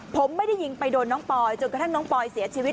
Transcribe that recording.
ผมไม่ได้ยิงไปโดนน้องปอยจนกระทั่งน้องปอยเสียชีวิต